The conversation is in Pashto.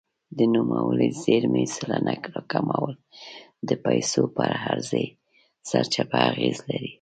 د نوموړې زیرمې سلنه راکمول د پیسو پر عرضې سرچپه اغېز لري.